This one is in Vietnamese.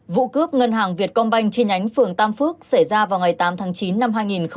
vụ cướp ngân hàng việt công banh chi nhánh phường tam phước xảy ra vào ngày tám tháng chín năm hai nghìn hai mươi hai